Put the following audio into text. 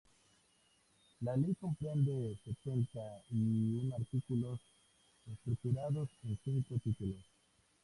La Ley comprende setenta y un artículos estructurados en cinco títulos.